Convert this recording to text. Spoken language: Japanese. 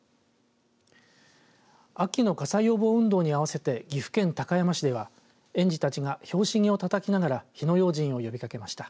秋の火災予防運動に合わせて岐阜県高山市では園児たちが拍子木をたたきながら火の用心を呼びかけました。